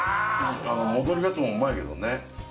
戻りガツオもうまいけどね。